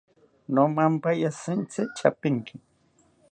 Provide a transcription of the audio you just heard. Nomamapaya shintzi tyapinki